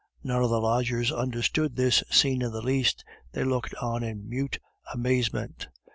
None of the lodgers understood this scene in the least, they looked on in mute amazement.